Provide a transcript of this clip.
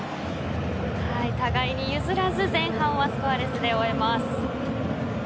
互いに譲らず前半はスコアレスで終えます。